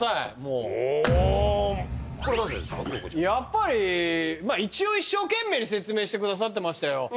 やっぱり一応一生懸命に説明してくださってましたよ。